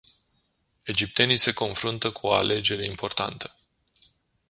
Egiptenii se confruntă cu o alegere importantă.